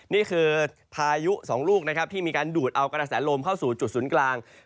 นี่คือพายุสองลูกนะครับที่มีการดูดเอากระแสลมเข้าสู่จุดศูนย์กลาง